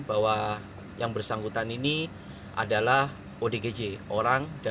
bahwa yang bersangkutan ini adalah odgj orang orang yang bersangkutan ini adalah orang yang bersangkutan